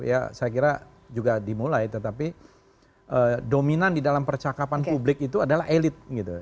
ya saya kira juga dimulai tetapi dominan di dalam percakapan publik itu adalah elit gitu